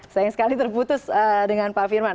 sayang sekali terputus dengan pak firman